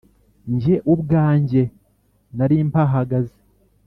Njye ubwanjye nari mpahagaze